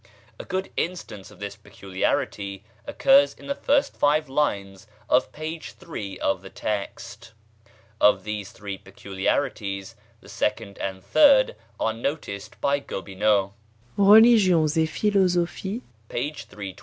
A good instance of this peculiarity occurs in the first five lines of p. 3 of the text. Of these three peculiarities the second and third are noticed by Gobineau (Religions at Philosophies, p.